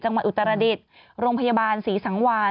จังหวัดอุตรฎิษฐ์โรงพยาบาลศรีสังหวานฯ